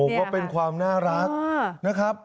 ก็เป็นความน่ารักนะครับ